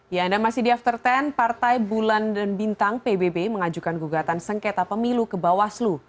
ya anda masih di after sepuluh partai bulan dan bintang pbb mengajukan gugatan sengketa pemilu ke bawaslu